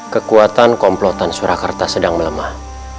kekuatan komplotan surakarta sedang melemah